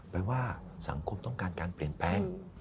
ไปว่าสังคมต้องการการเปลี่ยนแปลง